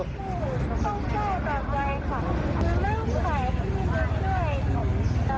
ต้องก็แบบว่า